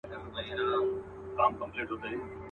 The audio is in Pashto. زه چي زهر داسي خورم د موږكانو.